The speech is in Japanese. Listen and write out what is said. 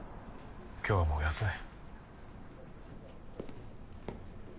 今日はもう休め。